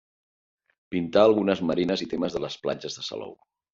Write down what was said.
Pintà algunes marines i temes de les platges de Salou.